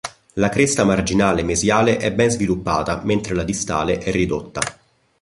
La cresta marginale mesiale è ben sviluppata, mentre la distale è ridotta.